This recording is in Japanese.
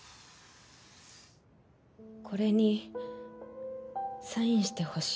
これにサインしてほしいの。